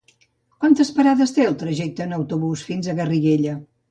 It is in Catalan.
Quantes parades té el trajecte en autobús fins a Garriguella?